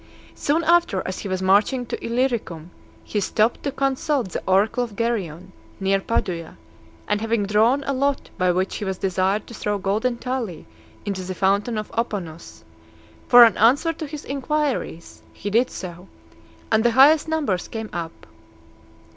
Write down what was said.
Soon after, as he was marching to Illyricum, he stopped to consult the oracle of Geryon, near Padua; and having drawn a lot by which he was desired to throw golden tali into the fountain of Aponus , for an answer to his inquiries, he did so, and the highest numbers came up.